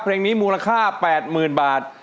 เพลงนี้มูลค่า๘๐๐๐บาท